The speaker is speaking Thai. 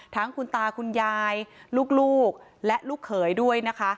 ทั้งคุณตาคุณยายลูกและลูกเขยด้วยนะคะ